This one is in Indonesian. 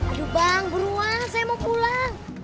aduh bang beruang saya mau pulang